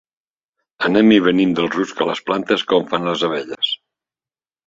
Anem i venim del rusc a les plantes com fan les abelles.